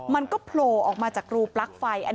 มันก็โพลออกมาจากรูปลั๊กไฟ